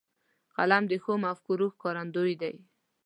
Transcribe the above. قلم د ښو مفکورو ښکارندوی دی